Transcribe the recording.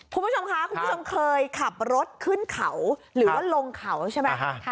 คุณผู้ชมคะคุณผู้ชมเคยขับรถขึ้นเขาหรือว่าลงเขาใช่ไหม